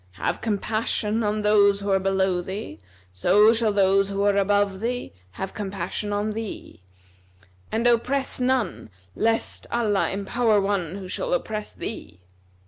Have compassion on those who are below thee, so shall those who are above thee have compassion on thee; and oppress none, lest Allah empower one who shall oppress thee.